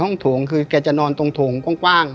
ก็คือแกจะนอนตรงตรงถูงกว้าง